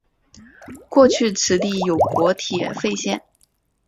过去此地有国铁废线。